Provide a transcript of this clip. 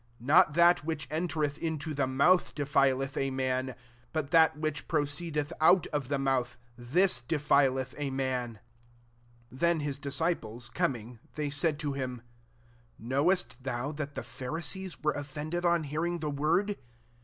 11 Not that which ^itereth into the mouth defileth a man : but that which proceedetSi out of the mouth, this defileth a man," lli Then his disciples com ing, they said to him, *< Know est thou that the Pharisees were offended on hearing the word